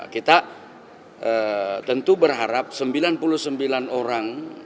kita tentu berharap sembilan puluh sembilan orang